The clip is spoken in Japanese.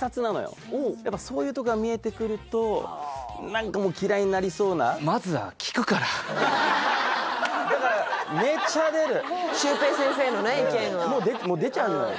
やっぱそういうとこが見えてくるとだからめっちゃ出るシュウペイ先生の意見がもう出ちゃうのよ